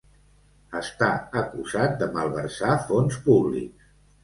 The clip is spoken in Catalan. Està acusat de malversar fons públics.